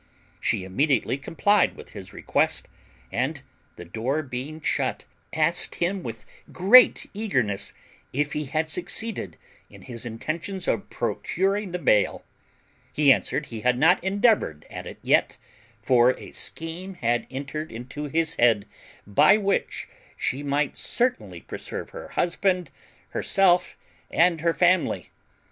She immediately complied with his request, and, the door being shut, asked him with great eagerness if he had succeeded in his intentions of procuring the bail. He answered he had not endeavoured at it yet, for a scheme had entered into his head by which she might certainly preserve her husband, herself, and her family.